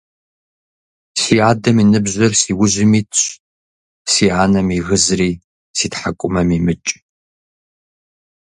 Си адэм и ныбжьыр си ужьым итщ, си анэм и гызри си тхьэкӏумэм имыкӏ.